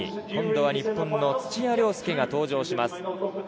今度は日本の土屋良輔が登場します。